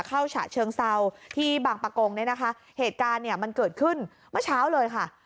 ฉะเชิงเซาที่บางประกงเนี่ยนะคะเหตุการณ์เนี่ยมันเกิดขึ้นเมื่อเช้าเลยค่ะ